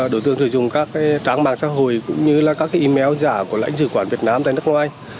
đội tường sử dụng các tráng mạng xã hội cũng như các email giả của lãnh sử quản việt nam tại nước ngoài